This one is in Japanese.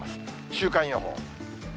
週間予報。